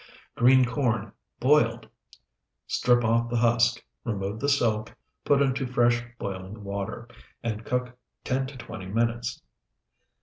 GREEN CORN (BOILED) Strip off the husk, remove the silk, put into fresh boiling water, and cook ten to twenty minutes.